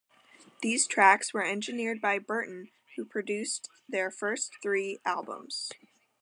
These tracks were engineered by Burton, who produced their first three albums.